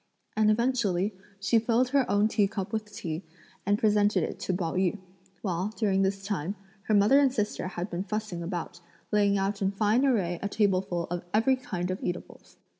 And eventually, she filled her own tea cup with tea and presented it to Pao yü, while, during this time, her mother and sister had been fussing about, laying out in fine array a tableful of every kind of eatables.